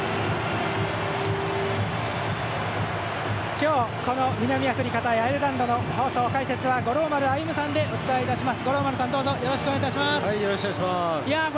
今日南アフリカ対アイルランドの放送解説は五郎丸歩さんでお伝えいたします。